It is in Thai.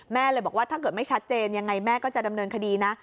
เลยบอกว่าถ้าเกิดไม่ชัดเจนยังไงแม่ก็จะดำเนินคดีนะ